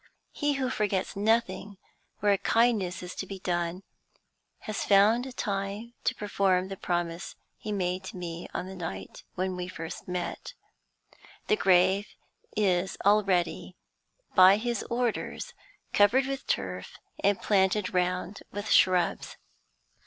He, who forgets nothing where a kindness is to be done, has found time to perform the promise he made to me on the night when we first met. The grave is already, by his orders, covered with turf, and planted round with shrubs.